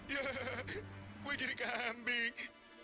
ya gue jadi kambing